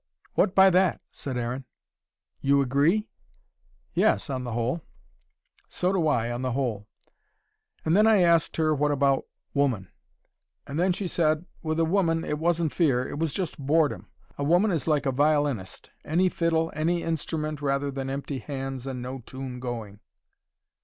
"What by that?" said Aaron. "You agree?" "Yes, on the whole." "So do I on the whole. And then I asked her what about woman. And then she said with a woman it wasn't fear, it was just boredom. A woman is like a violinist: any fiddle, any instrument rather than empty hands and no tune going."